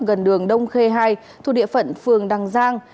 gần đường đông khê hai thu địa phận phường đăng giang